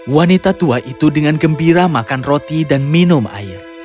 wanita tua itu dengan gembira makan roti dan minum air